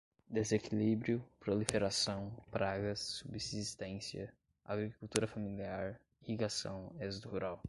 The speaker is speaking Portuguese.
desequilíbrio, proliferação, pragas, subsistência, agricultura familiar, irrigação, êxodo rural